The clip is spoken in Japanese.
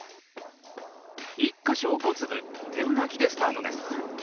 １か所５粒点まきでスタートです